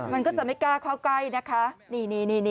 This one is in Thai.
มันก็จะไม่กล้าเข้าใกล้นะคะ